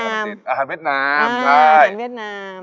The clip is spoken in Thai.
อาหารเวียดนาม